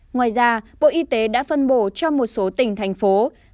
ngoài ra bộ y tế đã phân bổ cho một số tỉnh thành phố